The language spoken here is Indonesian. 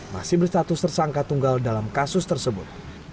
masih berstatus tersangka tunggal dalam kasus tersebut